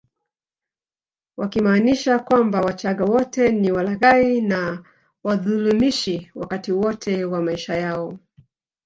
Wakimaanisha kwamba wachaga wote ni walaghai na wadhulumishi wakati wote wa maisha yao